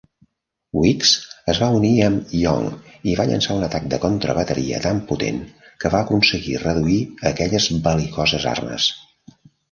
"Wickes" es va unir amb "Young" i va llançar un atac de contrabateria tan potent que va aconseguir reduir aquelles bel·licoses armes.